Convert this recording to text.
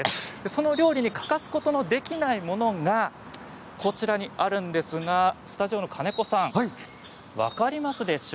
その料理に欠かすことのできないものがこちらにあるんですがスタジオの金子さん分かりますか。